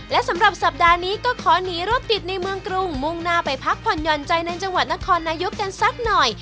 และสำหรับสัปดาห์นี้ก็ขอหนีรวบติดในเมืองกรุงมุ่งหน้าไปพักผ่อนหย่อนใจในจังหวัดนครนายกกันสักหน่อย